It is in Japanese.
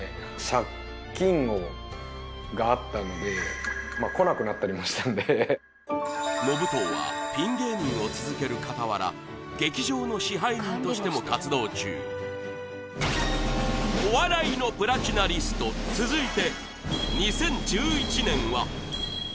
実は彼らとにかくと言いだしたというか延藤はピン芸人を続けるかたわら劇場の支配人としても活動中お笑いのプラチナリスト続いて２０１１年は？